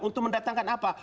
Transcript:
untuk mendatangkan apa